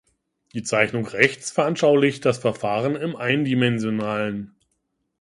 Die Zeichnung rechts veranschaulicht das Verfahren im Eindimensionalen.